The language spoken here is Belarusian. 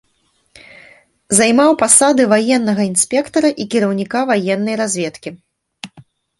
Займаў пасады ваеннага інспектара і кіраўніка ваеннай разведкі.